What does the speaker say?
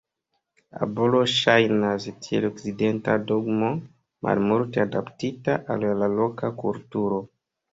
Abolo ŝajnas tiel okcidenta dogmo, malmulte adaptita al la loka kulturo.